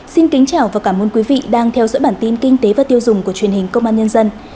xin kính chào và cảm ơn quý vị đang theo dõi bản tin kinh tế và tiêu dùng của truyền hình công an nhân dân